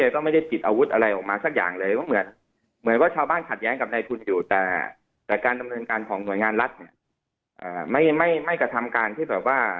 การสตรุนการของหน่วยงานรัฐเนี่ยไม่กระทำการที่แบบว่า